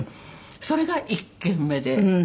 それが１軒目で。